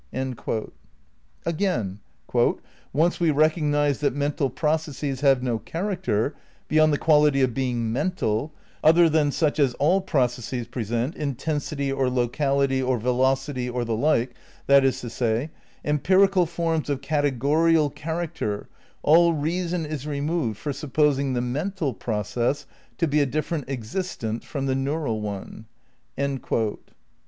' Again: ... "once we recognise that mental processes have no character, beyond the quality of being mental, other than such as all processes present, intensity or locality or velocity or the like, that is to say, empirical forms of eategorial character, all reason is removed for supposing the mental process to be a different existent from the neural one."'